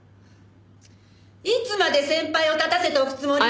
いつまで先輩を立たせておくつもり？